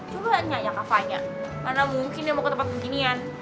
coba nyayang nyayang mana mungkin dia mau ke tempat beginian